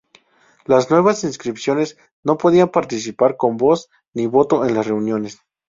Las nuevas instituciones no podían participar, con voz ni voto en las reuniones.